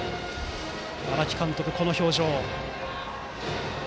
荒木監督、この表情。